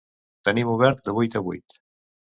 Tenim obert de vuit a vuit.